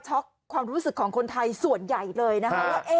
ความรู้สึกของคนไทยส่วนใหญ่เลยนะคะว่า